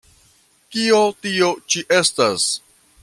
Kio tio ĉi estas?